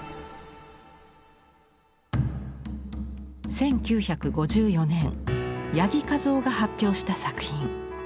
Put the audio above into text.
１９５４年八木一夫が発表した作品。